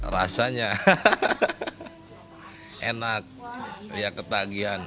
rasanya enak ketagihan